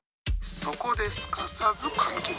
そこですかさず換気！